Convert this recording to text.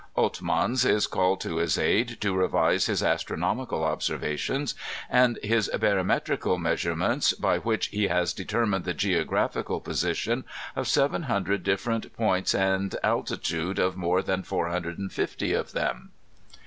Oltmanns is called to his aid to revise his astronomical observations, and his barometrical measurements by which he has determined the geographical position of 700 different points and the altitude of more than 460 of them.